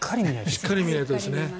しっかり見ないとですね。